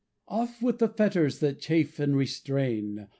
Off with the fetters That chafe and restrain!